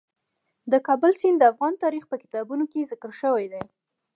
د کابل سیند د افغان تاریخ په کتابونو کې ذکر شوی دي.